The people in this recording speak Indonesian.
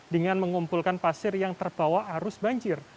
dengan mengumpulkan pasir yang terbawa arus banjir